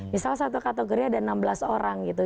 misal satu kategori ada enam belas orang gitu